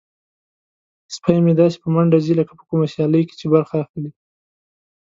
سپی مې داسې په منډه ځي لکه په کومه سیالۍ کې چې برخه اخلي.